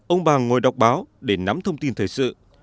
ông bàng ngồi đọc báo để nắm thông tin thời sự